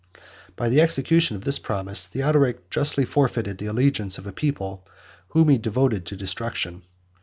By the execution of this promise, Theodoric justly forfeited the allegiance of a people whom he devoted to destruction.